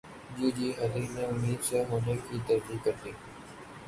جی جی Hadid نے امید سے ہونے کی تصدیق کردی